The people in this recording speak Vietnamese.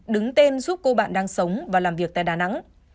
đứng tên giúp cô bạn đang sống và làm việc tại đà nẵng